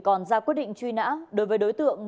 còn ra quyết định truy nã đối với đối tượng